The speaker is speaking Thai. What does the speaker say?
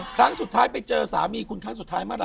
ครั้งสุดท้ายไปเจอสามีคุณครั้งสุดท้ายเมื่อไห